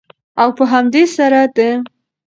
او په همدې سره د